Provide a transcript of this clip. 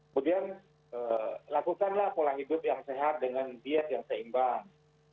kemudian lakukanlah pola hidup yang sehat dengan diet yang seimbang